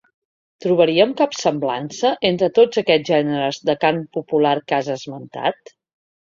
Trobaríem cap semblança entre tots aquests gèneres de cant popular que has esmentat?